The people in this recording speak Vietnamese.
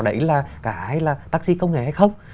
đấy là cái là taxi công nghề hay không